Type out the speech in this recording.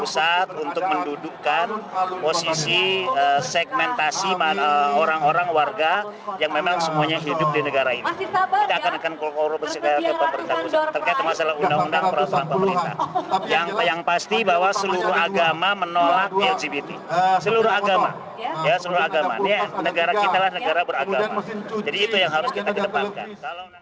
seluruh agama negara kita adalah negara beragama jadi itu yang harus kita ketepankan